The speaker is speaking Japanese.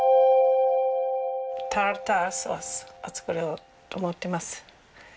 タルタルソースを作ろうと思ってます。